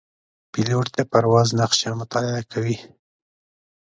پیلوټ د پرواز نقشه مطالعه کوي.